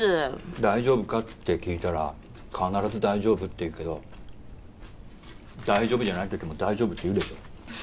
大丈夫か？って聞いたら必ず大丈夫って言うけど大丈夫じゃない時も大丈夫って言うでしょ